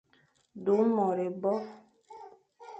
Du môr ébo.